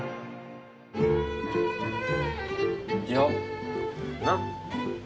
よっ！